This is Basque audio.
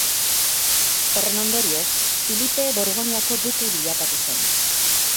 Horren ondorioz, Filipe Borgoinako duke bilakatu zen.